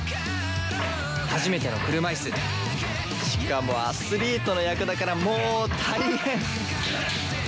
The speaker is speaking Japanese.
初めての車いすしかもアスリートの役だからもう大変！